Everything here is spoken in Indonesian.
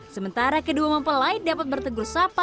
sementara kedua mempelai dapat bertegur sapa